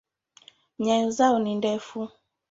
Nyayo zao ni ndefu.